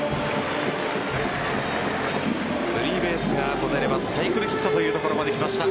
スリーベースが出ればサイクルヒットというところまで来ました。